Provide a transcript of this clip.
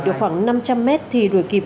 được khoảng năm trăm linh mét thì đuổi kịp